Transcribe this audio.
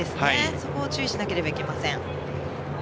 そこを注意しなければいけません。